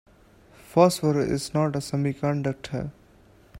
Phosphorus is not a semiconductor.